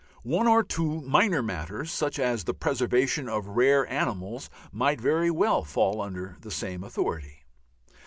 One or two minor matters, such as the preservation of rare animals, might very well fall under the same authority.